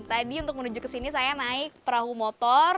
tadi untuk menuju ke sini saya naik perahu motor